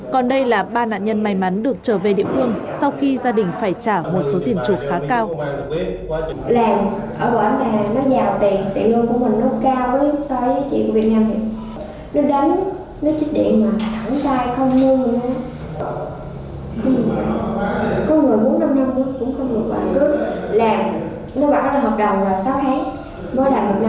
còn đây là ba nạn nhân may mắn được trở về địa phương sau khi gia đình phải trả một số tiền trụ khá cao